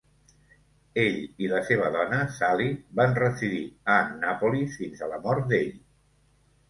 Ell i la seva dona, Sally, van residir a Annapolis fins a la mort d'ell.